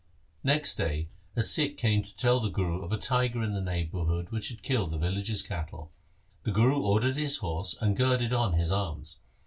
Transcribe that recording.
Next day a Sikh came to tell the Guru of a tiger in the neighbourhood which had killed the villagers' cattle. The Guru ordered his horse and girded on his arms.